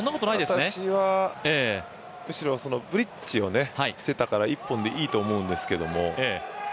私はむしろブリッジをしてたから一本でいいと思うんですけど。